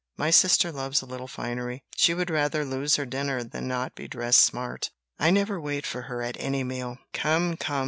My sister loves a little finery; she would rather lose her dinner than not be dressed smart; I never wait for her at any meal. Come, come!